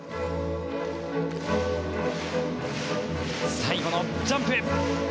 最後のジャンプへ。